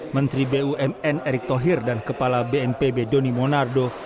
menteri bumn erick thohir dan kepala bnpb doni monardo